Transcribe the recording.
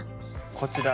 こちら